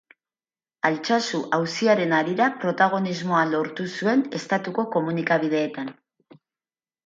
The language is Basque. Altsasu auziaren harira protagonismoa lortu zuen Estatuko komunikabideetan.